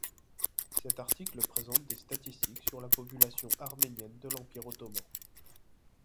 Cet article présente des statistiques sur la population arménienne de l'Empire ottoman.